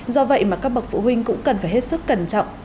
do vậy mà các bậc phụ huynh cũng cần phải hết sức cẩn trọng